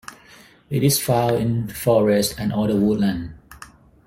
It is found in forest and other woodland.